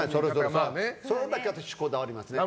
それだけはこだわりますね。